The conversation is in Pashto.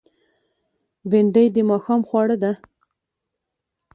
بېنډۍ د ماښام خواړه ده